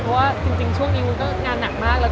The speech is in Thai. เพราะว่าจริงช่วงนี้วุ้นก็งานหนักมากแล้ว